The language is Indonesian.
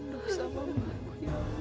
nadiya kenapa kamu ngeriak